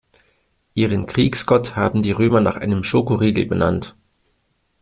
Ihren Kriegsgott haben die Römer nach einem Schokoriegel benannt.